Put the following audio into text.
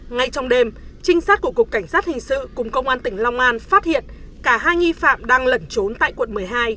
ngay trong đêm trinh sát của cục cảnh sát hình sự cùng công an tỉnh long an phát hiện cả hai nghi phạm đang lẩn trốn tại quận một mươi hai